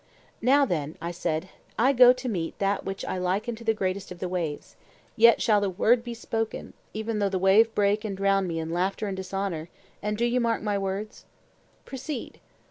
Now then, I said, I go to meet that which I liken to the greatest of the waves; yet shall the word be spoken, even though the wave break and drown me in laughter and dishonour; and do you mark my words. Proceed.